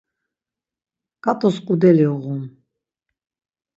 Ǩat̆us ǩudeli uğun.